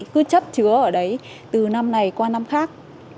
cứ chấp chứa ở đấy từ năm này qua năm khác